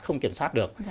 không kiểm soát được